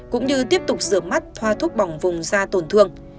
cũng như tiếp tục rửa mắt thoa thuốc bỏng vùng da tổn thương